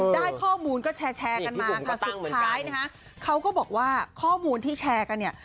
ได้ข้อมูลก็แชร์กันมาค่ะสุดท้ายนะคะเขาก็บอกว่าข้อมูลที่แชร์กันเนี่ย